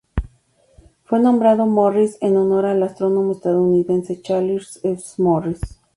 Fue nombrado Morris en honor al astrónomo estadounidense Charles S. Morris.